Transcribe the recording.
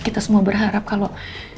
kita semua berharap kalau